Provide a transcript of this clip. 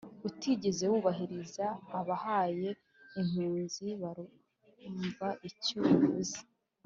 utigeze wubahiriza! ababaye impunzi barumva icyo bivuze.